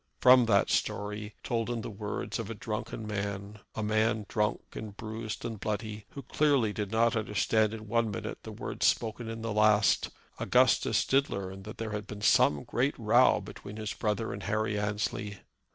From that story, told in the words of a drunken man, a man drunk, and bruised, and bloody, who clearly did not understand in one minute the words spoken in the last, Augustus did learn that there had been some great row between his brother and Harry Annesley.